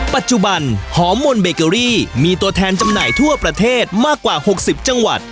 ปัจจุบันหอมมนเบเกอรี่มีตัวแทนจำหน่ายทั่วประเทศมากกว่า๖๐จังหวัด